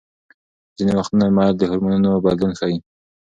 ځینې وختونه میل د هورمونونو بدلون ښيي.